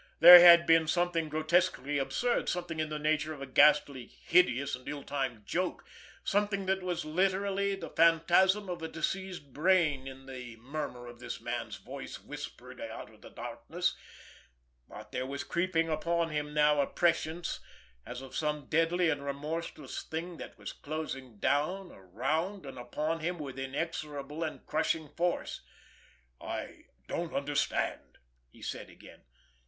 There had been something grotesquely absurd, something in the nature of a ghastly, hideous and ill timed joke, something that was literally the phantasm of a diseased brain in the murmur of this man's voice whispering out of the darkness; but there was creeping upon him now a prescience as of some deadly and remorseless thing that was closing down, around and upon him with inexorable and crushing force. "I don't understand," he said again.